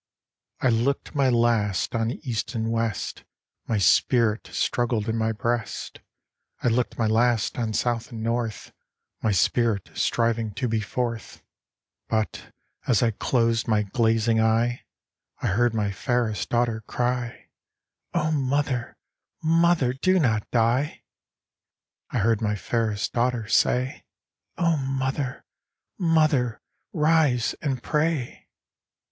v. I looked my last on east and west ; My spirit struggled in my breast. I looked my last on south and north, My spirit striving to be forth ; But, as I closed my glazing eye, I heard my fairest daughter cry :" O Mother, Mother, do not die !" I heard my fairest daughter say :" O Mother, Mother, rise and pray